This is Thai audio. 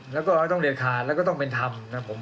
แล้วก็ต้องเรียกขาดแล้วก็ต้องเป็นธรรมนะครับ